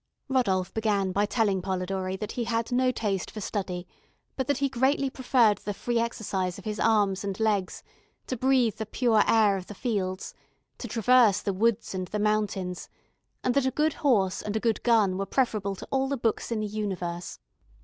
Rodolph began by telling Polidori that he had no taste for study, but that he greatly preferred the free exercise of his arms and legs, to breathe the pure air of the fields, to traverse the woods and the mountains, and that a good horse and a good gun were preferable to all the books in the universe.